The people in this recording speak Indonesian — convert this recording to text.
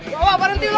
bawa berhenti lo